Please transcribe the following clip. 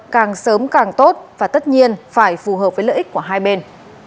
càng sớm càng tốt và tất nhiên phải phù hợp với lợi ích của hai bên